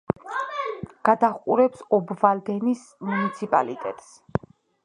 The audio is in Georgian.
გადაჰყურებს ობვალდენის მუნიციპალიტეტს.